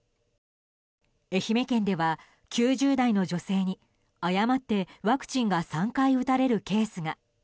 愛媛県では９０代の女性に誤って、ワクチンが３回打たれるケースが。